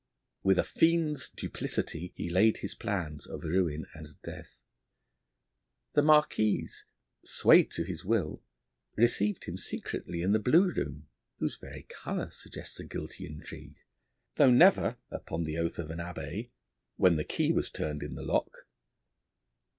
With a fiend's duplicity he laid his plans of ruin and death. The Marquise, swayed to his will, received him secretly in the blue room (whose very colour suggests a guilty intrigue), though never, upon the oath of an Abbé, when the key was turned in the lock.